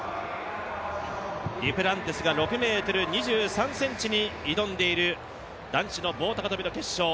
デュプランティスが６ｍ２３ｃｍに挑んでいる男子の棒高跳の決勝。